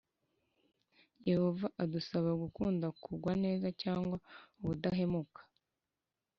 Yehova adusaba gukunda kugwa neza cyangwa ubudahemuka